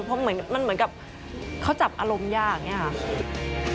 เพราะเหมือนมันเหมือนกับเขาจับอารมณ์ยากอย่างนี้ค่ะ